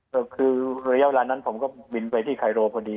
ก็คือระยะเวลานั้นผมก็บินไปที่ไคโรพอดี